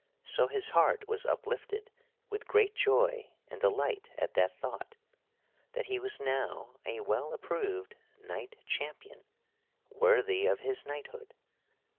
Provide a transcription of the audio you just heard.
So his heart was uplifted with great joy and delight at that thought; that he was now a well approved knight champion, worthy of his knighthood.